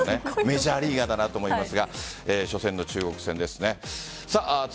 メジャーリーガーだなと思いますが初戦の中国戦ですね。